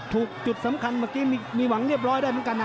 จุดสำคัญเมื่อกี้มีหวังเรียบร้อยได้เหมือนกันนะ